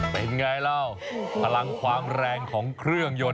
เป็นไงเล่าพลังความแรงของเครื่องยนต์